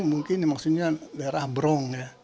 mungkin maksudnya daerah bronk